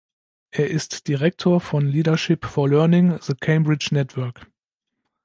Er ist Direktor von „Leadership for Learning: the Cambridge Network“.